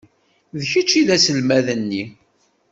D kečč i d aselmad-nni.